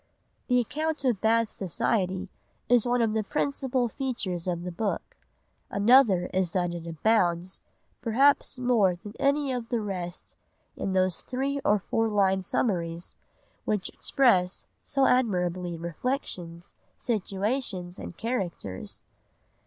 The account of Bath society is one of the principal features of the book, another is that it abounds, perhaps more than any of the rest, in those three or four line summaries which express so admirably reflections, situations, and characters.